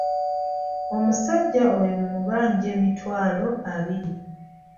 Omusajja oyo mubaanja emitwaalo abiri.